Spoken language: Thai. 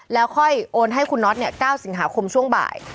แล้วค่อยโอนให้คุณน็อต๙สิงหาคมช่วงบ่าย